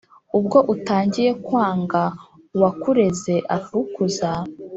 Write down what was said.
Ubwo utangiye kwangaUwakureze akagukuza,